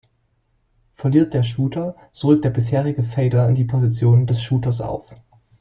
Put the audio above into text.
Verliert der Shooter, so rückt der bisherige Fader in die Position des Shooters auf.